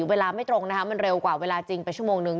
เวลาไม่ตรงนะคะมันเร็วกว่าเวลาจริงไปชั่วโมงนึง